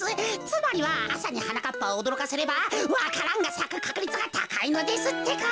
つまりはあさにはなかっぱをおどろかせればわか蘭がさくかくりつがたかいのですってか。